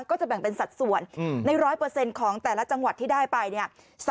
ก็จะแบ่งเป็นสัดส่วนใน๑๐๐ของแต่ละจังหวัดที่ได้ไปเนี่ย